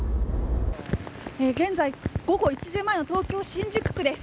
現在、午後１時前の東京・新宿区です。